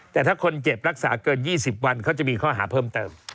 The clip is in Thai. แต่ถ้าคนเจ็บรักษาเกิน๒๐วันเขาจะมีข้อหาเพิ่มเติม